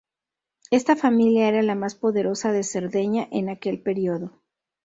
Esta familia era la más poderosa de Cerdeña en aquel periodo.